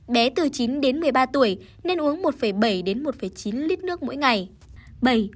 bé từ chín một mươi ba tuổi nên uống một bảy một chín lít nước mỗi ngày